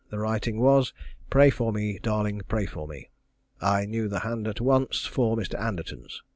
The writing was, "Pray for me, darling, pray for me." I knew the hand at once for Mr. Anderton's.